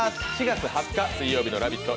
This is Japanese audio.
４月２０日水曜日の「ラヴィット！」